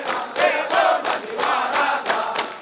yang menghias kemampuan di warga